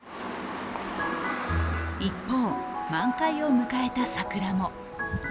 一方、満開を迎えた桜も。